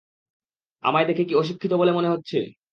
আমায় দেখে কি অশিক্ষিত বলে মনে হচ্ছে?